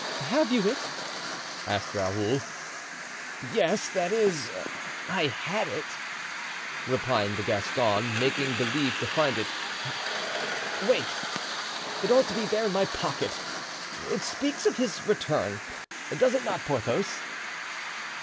"Have you it?" asked Raoul "Yes—that is, I had it," repined the Gascon, making believe to find it. "Wait, it ought to be there in my pocket; it speaks of his return, does it not, Porthos?"